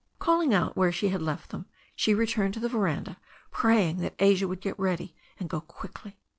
Calling out where she had left them, she returned to the veranda, praying that Asia would get ready and go quickly.